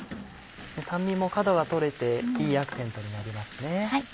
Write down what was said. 酸味も角が取れていいアクセントになりますね。